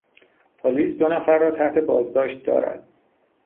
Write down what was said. پلیس دو نفر را تحت بازداشت دارد.